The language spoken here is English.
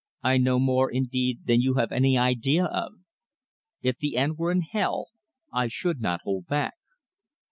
"I know more indeed than you have any idea of. If the end were in hell I should not hold back."